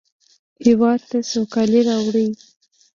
هېواد ته سوکالي راوړئ